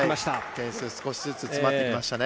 点数少しずつ詰まってきましたね。